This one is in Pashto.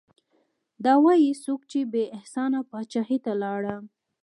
دا وايي څوک چې بې احسانه پاچاهي ته لاړم